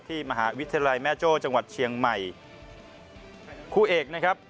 มหาวิทยาลัยแม่โจ้จังหวัดเชียงใหม่คู่เอกนะครับ